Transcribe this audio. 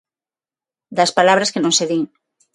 Das palabras que non se din.